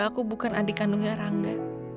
aku bukan adik kandungnya rangga